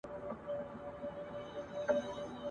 مرګه ستا په پسته غېږ کي له آرامه ګیله من یم !.